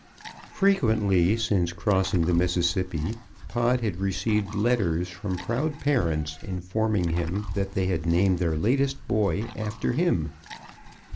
_ Frequently since crossing the Mississippi Pod had received letters from proud parents informing him that they had named their latest boy after him.